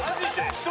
１人？